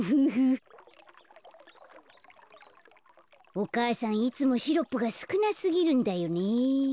お母さんいつもシロップがすくなすぎるんだよね。